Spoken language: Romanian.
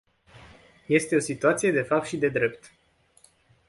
Este o situație de fapt și de drept.